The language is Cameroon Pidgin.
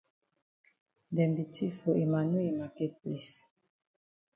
Dem be tif for Emmanu yi maket place.